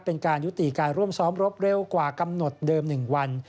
เป็นการยุติการร่วมซ้อมรบเร็วกว่ากำหนดเดิม๑วัน